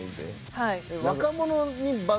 はい。